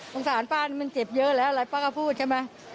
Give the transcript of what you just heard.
สงสารป้ามันเจ็บเยอะแล้วอะไรป้าก็พูดใช่ไหม